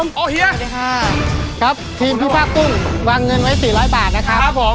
อันนี้ครับทีมพี่พระกุ้งเวืองเงิน๔๐๐บาทนะครับ